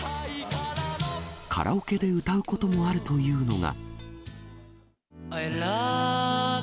カラオケで歌うこともあるというのが。